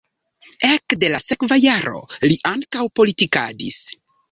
Ekde la sekva jaro li ankaŭ politikadis.